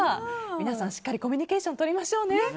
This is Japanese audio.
皆さんしっかりコミュニケーションとりましょうね。